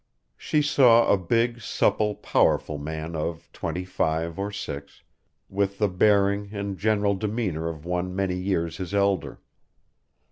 She saw a big, supple, powerful man of twenty five or six, with the bearing and general demeanour of one many years his elder.